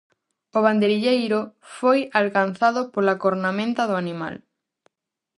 O banderilleiro foi alcanzado pola cornamenta do animal.